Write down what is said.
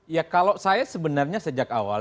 ya kalau saya sebenarnya sejak awal